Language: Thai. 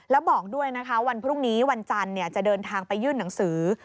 แล้วบอกด้วยนะคะวันพรุ่งนี้วันจันทร์จะเดินทางไปยื่นหนังสือ